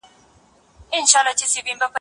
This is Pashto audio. زه کالي نه پرېولم.